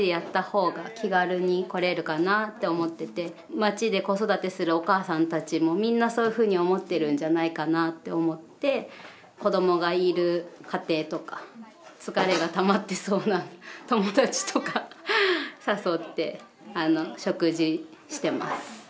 町で子育てするお母さんたちもみんなそういうふうに思ってるんじゃないかなって思って子どもがいる家庭とか疲れがたまってそうな友達とか誘って食事してます。